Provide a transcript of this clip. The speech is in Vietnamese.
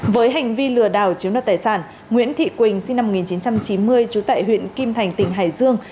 với hành vi lừa đảo chiếm đoạt tài sản nguyễn thị quỳnh sinh năm một nghìn chín trăm chín mươi trú tại huyện kim thành tỉnh hải dương